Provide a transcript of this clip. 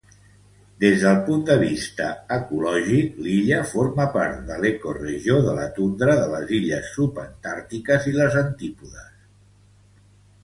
Des del punt de vista ecològic, l'illa forma part de l'ecoregió de la tundra de les illes Subantàrtiques i les Antípodes.